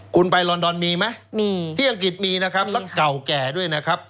คุณไปลอนดอนมีไหมมีที่อังกฤษมีนะครับแล้วเก่าแก่ด้วยนะครับ